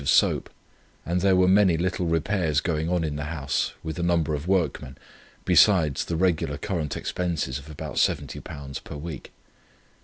of soap, and there were many little repairs going on in the house, with a number of workmen, besides the regular current expenses of about £70 per week.